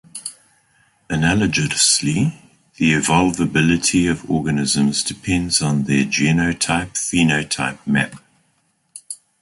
Analogously, the evolvability of organisms depends on their genotype-phenotype map.